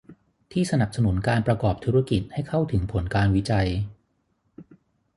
ที่สนับสนุนการประกอบธุรกิจให้เข้าถึงผลการวิจัย